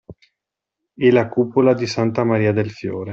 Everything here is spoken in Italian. E la cupola di Santa Maria del Fiore